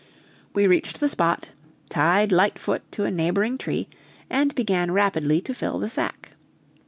We reached the spot, tied Lightfoot to a neighboring tree, and began rapidly to fill the sack.